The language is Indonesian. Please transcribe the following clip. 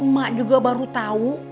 mak juga baru tahu